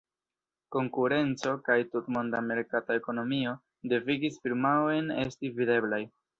Konkurenco kaj tutmonda merkata ekonomio devigis firmaojn esti videblaj.